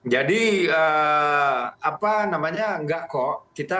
jadi apa namanya enggak kok